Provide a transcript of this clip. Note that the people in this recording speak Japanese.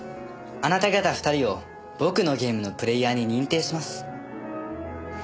あなた方２人を僕のゲームのプレーヤーに認定します。